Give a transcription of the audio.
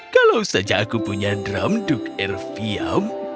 kalau saja aku punya dram duk erfiam